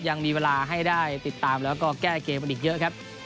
ยังมีเวลาให้ได้ติดตามแล้วก็แก้เกมกันอีกเยอะครับ